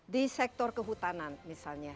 di sektor kehutanan misalnya